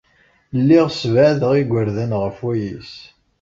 Lliɣ ssebɛadeɣ igerdan ɣef wayis.